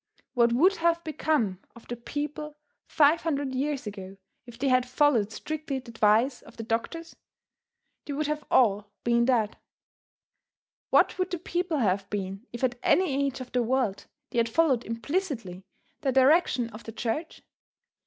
What would have become of the people five hundred years ago if they had followed strictly the advice of the doctors? They would have all been dead. What would the people have been, if at any age of the world they had followed implicitly the direction of the church?